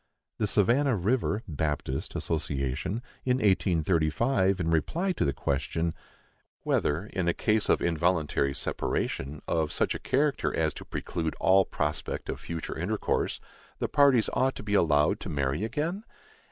The Savannah River (Baptist) Association, in 1835, in reply to the question, Whether, in a case of involuntary separation, of such a character as to preclude all prospect of future intercourse, the parties ought to be allowed to marry again?